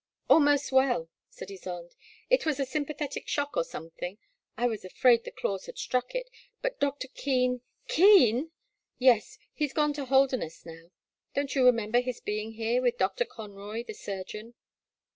''Almost well," said Ysonde, it was a sympa thetic shock, or something; I was afraid the daws had struck it, but Dr. Keen " "Keen!" Yes — ^he 's gone to Holdemess now. Don't you remember his being here with Dr. Conroy, the surgeon?